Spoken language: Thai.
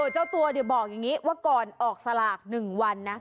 เจ้าตัวบอกอย่างนี้ว่าก่อนออกสลาก๑วันนะ